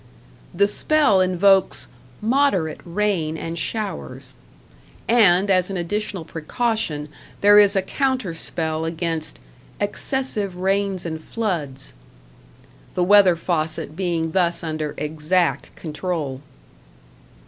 The spell invokes "moderate rain and showers"; and as an additional precaution there is a counter spell against "excessive rains and floods": the weather faucet being thus under exact control.